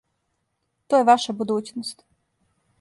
То је ваша будућност.